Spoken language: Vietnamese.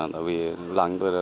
tại vì làng chúng tôi